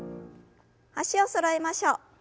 脚をそろえましょう。